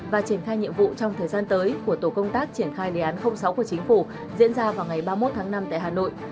và triển khai nhiệm vụ trong thời gian tới của tổ công tác triển khai đề án sáu của chính phủ diễn ra vào ngày ba mươi một tháng năm tại hà nội